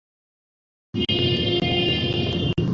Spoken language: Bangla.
তুমি তিন ঘণ্টা যাবৎ রেডি হচ্ছ।